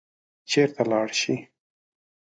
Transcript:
چېرته لاړ شي.